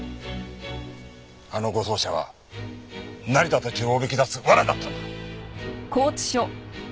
あの護送車は成田たちをおびき出す罠だったんだ！